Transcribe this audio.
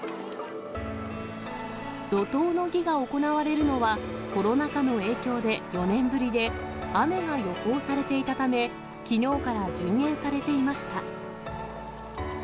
路頭の儀が行われるのは、コロナ禍の影響で４年ぶりで、雨が予報されていたため、きのうから順延されていました。